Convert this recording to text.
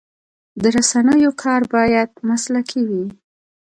د رسنیو کار باید مسلکي وي.